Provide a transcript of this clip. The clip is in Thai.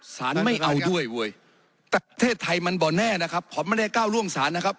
สารไม่เอาด้วยเว้ยประเทศไทยมันบ่อแน่นะครับผมไม่ได้ก้าวล่วงศาลนะครับ